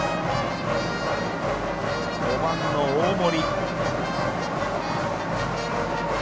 ５番の大森。